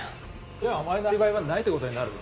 じゃあお前のアリバイはないってことになるぞ。